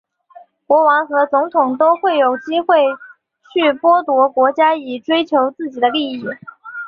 国王和总统都有动机会去剥削国家以追求自己的利益。